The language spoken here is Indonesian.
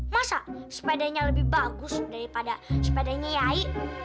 masa sepedanya lebih bagus daripada sepedanya yai